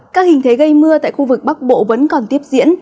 các hình thế gây mưa tại khu vực bắc bộ vẫn còn tiếp diễn